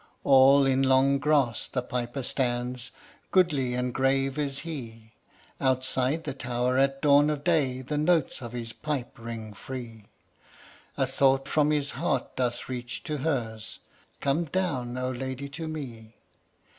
All in long grass the piper stands, Goodly and grave is he; Outside the tower, at dawn of day, The notes of his pipe ring free. A thought from his heart doth reach to hers: "Come down, O lady! to me."